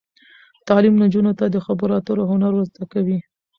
تعلیم نجونو ته د خبرو اترو هنر ور زده کوي.